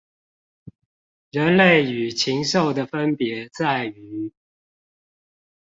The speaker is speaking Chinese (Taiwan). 人類與禽獸的分別在於